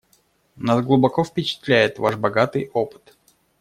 Нас глубоко впечатляет ваш богатый опыт.